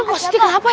itu bositi kenapa ya